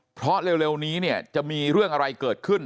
เพราะเร็วนี้เนี่ยจะมีเรื่องอะไรเกิดขึ้น